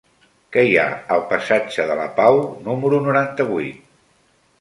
Què hi ha al passatge de la Pau número noranta-vuit?